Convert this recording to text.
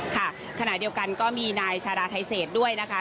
ค่ะขณะเดียวกันก็มีนายชาราไทเศษด้วยนะคะ